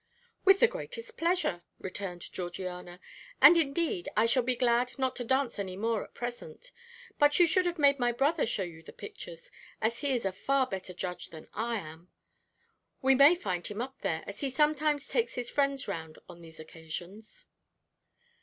"With the greatest pleasure," returned Georgiana, "and indeed I shall be glad not to dance any more at present. But you should have made my brother show you the pictures, as he is a far better judge than I am. We may find him up there, as he sometimes takes his friends round on these occasions."